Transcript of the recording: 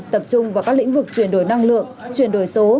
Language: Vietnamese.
tập trung vào các lĩnh vực chuyển đổi năng lượng chuyển đổi số